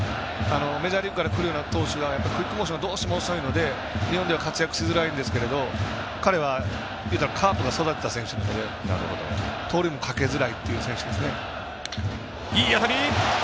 メジャーリーグからくるような投手はクイックモーションどうしても遅いので活躍しづらいんですけど彼は、カープが育てた選手なので盗塁もかけづらい選手です。